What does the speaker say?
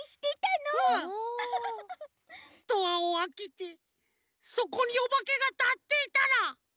ドアをあけてそこにおばけがたっていたら！